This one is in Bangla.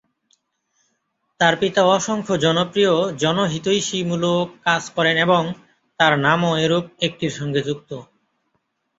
তাঁর পিতা অসংখ্য জনপ্রিয় জনহিতৈষীমূলক কাজ করেন এবং তাঁর নামও এরূপ একটির সঙ্গে যুক্ত।